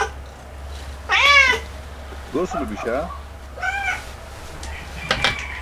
Gosulo biśa.